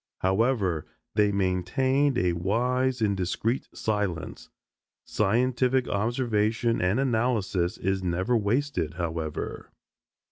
However, they maintained a wise and discreet silence. Scientific observation and analysis is never wasted, however.